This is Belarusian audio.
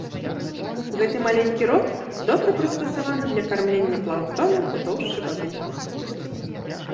Гэты маленькі рот добра прыстасаваны для кармлення планктонам ў тоўшчы вады.